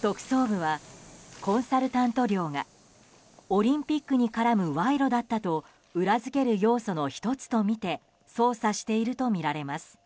特捜部はコンサルタント料がオリンピックに絡む賄賂だったと裏付ける要素の１つとみて捜査しているとみられます。